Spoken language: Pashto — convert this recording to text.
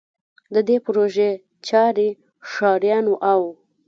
د دې پروژې چارې ښاریانو او